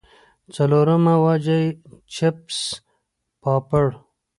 څلورمه وجه ئې چپس پاپړ